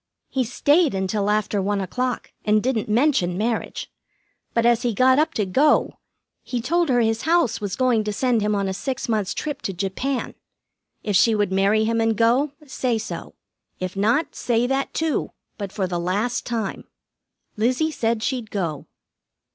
"He stayed until after one o'clock, and didn't mention marriage. But as he got up to go he told her his house was going to send him on a six months' trip to Japan. If she would marry him and go, say so. If not, say that, too, but for the last time. Lizzie said she'd go."